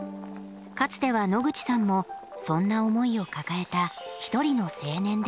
かつては野口さんもそんな思いを抱えたひとりの青年でした。